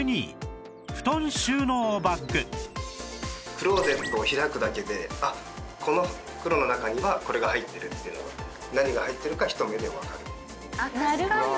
クローゼットを開くだけでこの袋の中にはこれが入ってるっていうのが何が入ってるかひと目でわかる。